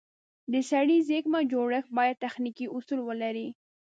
د سړې زېرمه جوړښت باید تخنیکي اصول ولري.